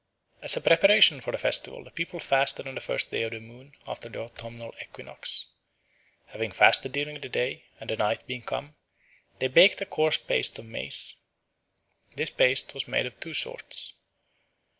As a preparation for the festival the people fasted on the first day of the moon after the autumnal equinox. Having fasted during the day, and the night being come, they baked a coarse paste of maize. This paste was made of two sorts.